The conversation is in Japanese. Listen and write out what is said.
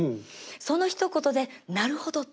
そのひと言でなるほどと。